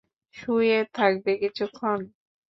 শুয়ে থাকবে কিছুক্ষণ?